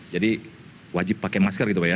jadi wajib pakai masker gitu pak ya